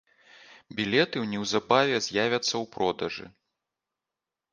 Білеты неўзабаве з'явяцца ў продажы.